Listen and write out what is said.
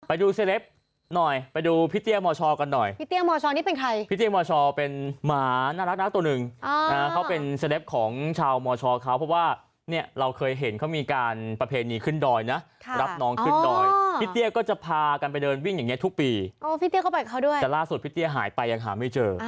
ไปดูเสลสหน่อยไปดูพี่เตี้ยมชกันหน่อยพี่เตี้ยอันดับ